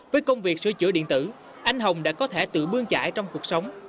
với công việc sửa chữa điện tử anh hồng đã có thể tự bương trải trong cuộc sống